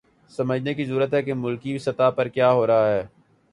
سمجھنے کی ضرورت ہے کہ ملکی سطح پہ کیا ہو رہا ہے۔